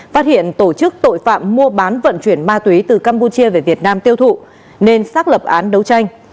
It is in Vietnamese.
phát hiện tổ chức tội phạm mua bán vận chuyển ma túy từ campuchia về việt nam tiêu thụ nên xác lập án đấu tranh